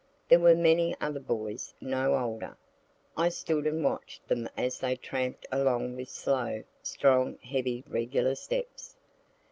There were many other boys no older. I stood and watch'd them as they tramp'd along with slow, strong, heavy, regular steps.